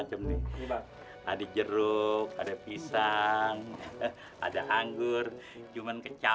sampai jumpa di video selanjutnya